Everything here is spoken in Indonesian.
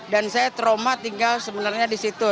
saya trauma tinggal sebenarnya di situ